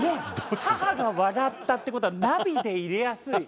母が笑ったって事はナビで入れやすい。